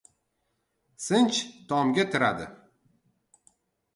Sinch tomga tiradi.